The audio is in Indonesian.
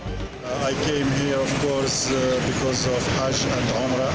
saya datang ke sini karena hajj dan umrah